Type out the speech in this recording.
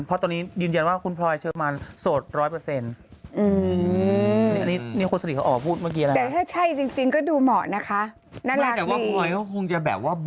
เพราะตอนนี้ยืนยันว่าคุณพลอยเชื่อมันโสด๑๐๐